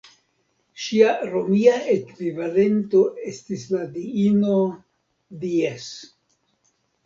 Ŝia romia ekvivalento estis la diino "Dies".